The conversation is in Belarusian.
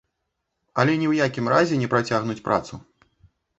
Але ні ў якім разе не працягнуць працу.